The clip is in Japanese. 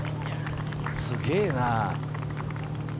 すげぇな。